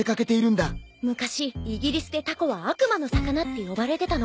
昔イギリスでタコは「悪魔の魚」って呼ばれてたの。